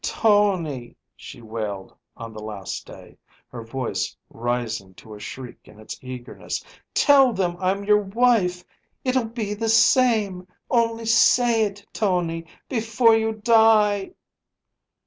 "Tony," she wailed on the last day, her voice rising to a shriek in its eagerness, "tell them I'm your wife; it'll be the same. Only say it, Tony, before you die!"